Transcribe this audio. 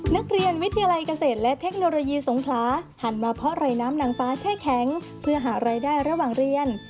นักเรียนวิทยาลัยเกษตรและเทคโนโลยีสงขลาหันมาเพราะไรน้ำนางฟ้าแช่แข็งเพื่อหารายได้ระหว่างเรียน